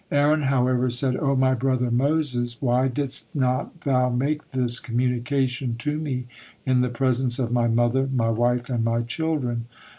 Aaron, however, said: "O my brother Moses, why didst not thou make this communication to me in the presence of my mother, my wife, and my children?"